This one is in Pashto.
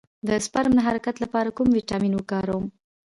د سپرم د حرکت لپاره کوم ویټامین وکاروم؟